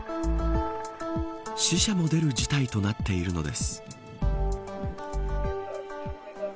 死者も出る事態となっているのです。